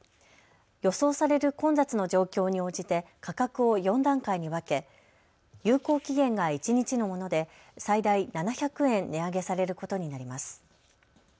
予想される混雑の状況に応じて価格を４段階に分け有効期限が一日のもので最大７００円値上げされることになります。